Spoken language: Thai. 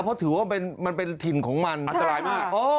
เพราะถือว่ามันเป็นถิ่นของมันอันตรายมาก